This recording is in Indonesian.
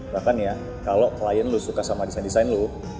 bahkan ya kalau klien lo suka sama desain desain lo